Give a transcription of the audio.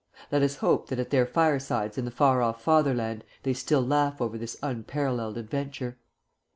Let us hope that at their firesides in the far off Fatherland they still laugh over this unparalleled adventure.